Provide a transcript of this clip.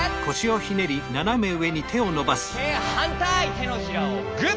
てのひらをグッ！